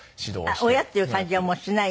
あっ親っていう感じはもうしない？